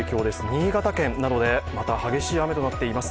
新潟県などで、また激しい雨となっています。